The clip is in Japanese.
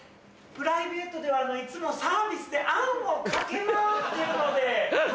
プライベートではいつもサービスであんをかけ回ってるのではい。